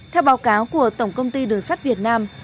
theo báo cáo của tổng công ty đường sắt việt nam